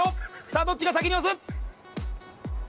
さあどっちが先に押す？